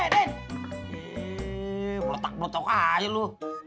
belotak belotak aja lo